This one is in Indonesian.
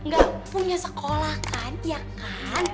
gak punya sekolah kan ya kan